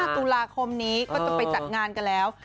ตุลาคมนี้ก็จะไปจัดงานกันแล้ว